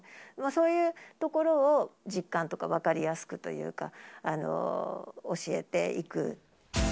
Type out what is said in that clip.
そういうところを、実感とか分かりやすくというか、教えていく。